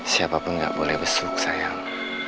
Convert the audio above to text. siapapun gak boleh besuk sayang